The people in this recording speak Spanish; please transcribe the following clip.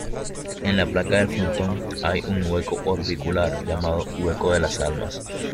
En la placa del frontón hay un hueco orbicular llamado "hueco de las almas".